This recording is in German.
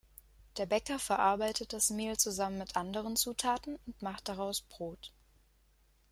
Der Bäcker verarbeitet das Mehl zusammen mit anderen Zutaten und macht daraus Brot.